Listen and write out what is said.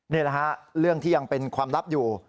นี่แหละฮะเรื่องที่ยังเป็นความลับอยู่